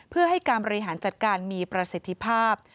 เพื่อให้การบริหารจัดการมีประสิทธิภาพ